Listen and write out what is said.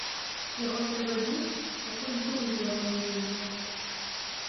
Яго трэба біць, пакуль дух з яго не выйдзе.